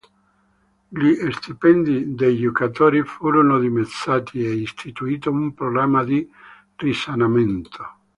Gli stipendi dei giocatori furono dimezzati e istituito un programma di risanamento.